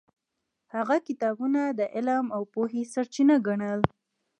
هغه کتابونه د علم او پوهې سرچینه ګڼل.